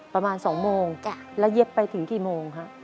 ประมาณ๒โมงแล้วเย็บไปถึงกี่โมงฮะ